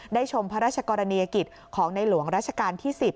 ชมพระราชกรณียกิจของในหลวงราชการที่๑๐